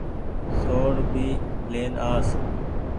سوڙ ڀي لين آس۔